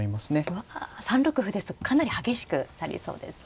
うわ３六歩ですとかなり激しくなりそうですね。